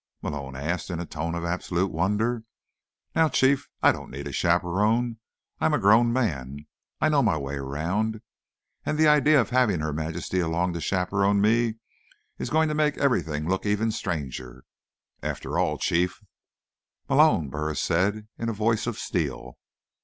Malone asked in a tone of absolute wonder. "Now, Chief, I don't need a chaperone. I'm a grown man. I know my way around. And the idea of having Her Majesty along to chaperone me is going to make everything look even stranger. After all, Chief—" "Malone," Burris said, in a voice of steel.